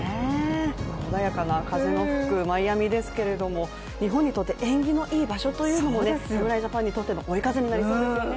穏やかな風の吹くマイアミですけども、日本にとって縁起のいい場所ということで侍ジャパンにとっての追い風となりそうですよね。